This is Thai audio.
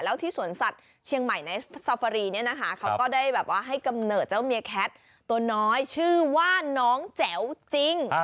แล้วที่สวนสัตว์เชียงใหม่ในซาฟารีเนี่ยนะคะเขาก็ได้แบบว่าให้กำเนิดเจ้าเมียแคทตัวน้อยชื่อว่าน้องแจ๋วจริง